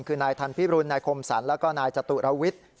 คือนายทันพิบรุณนายคมสรรแล้วก็นายจตุรวิทย์